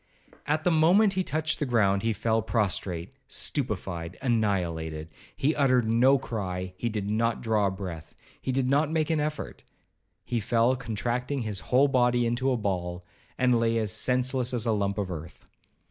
At the moment he touched the ground, he fell prostrate, stupefied, annihilated. He uttered no cry—he did not draw a breath—he did not make an effort—he fell contracting his whole body into a ball, and lay as senseless as a lump of earth.